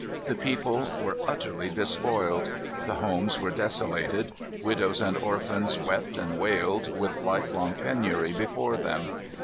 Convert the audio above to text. The people were utterly despoiled. The homes were desolated. Widows and orphans wept and wailed, with life long penury before them.